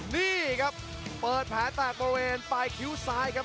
นี่ครับเปิดแผลแตกบริเวณปลายคิ้วซ้ายครับ